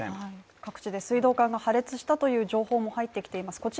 各地で水道管が破裂したという情報も入ってきています。